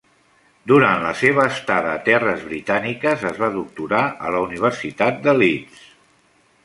Durant la seva estada a terres britàniques es va doctorar a la Universitat de Leeds.